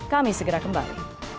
kami segera kembali